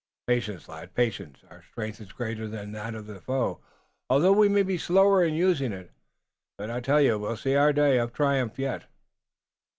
"Patience, lad, patience! Our strength is greater than that of the foe, although we may be slower in using it. But I tell you we'll see our day of triumph yet."